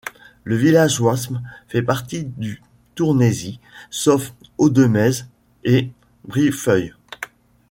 Le village Wasmes fait partie du Tournaisis sauf Audemez et Briffœil.